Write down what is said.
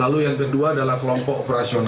lalu yang ketiga adalah kelompok yang diambil uang